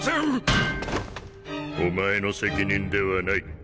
お前の責任ではない。